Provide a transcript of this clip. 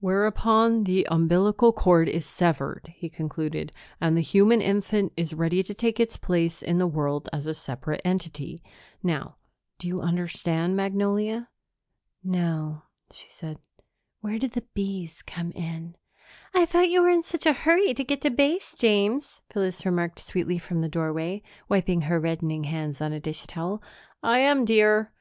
"Whereupon the umbilical cord is severed," he concluded, "and the human infant is ready to take its place in the world as a separate entity. Now do you understand, Magnolia?" "No," she said. "Where do the bees come in?" "I thought you were in such a hurry to get to Base, James," Phyllis remarked sweetly from the doorway, wiping her reddening hands on a dish towel. "I am, dear."